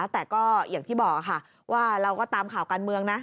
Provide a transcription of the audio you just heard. แต่ก็อย่างที่บอกค่ะว่าเราก็ตามข่าวการเมืองนะ